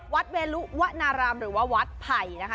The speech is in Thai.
วัดเวรุวะนร่ำหรือว่าวัดไผ่นะฮะ